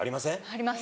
あります。